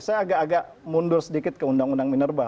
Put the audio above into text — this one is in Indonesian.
saya agak agak mundur sedikit ke undang undang minerba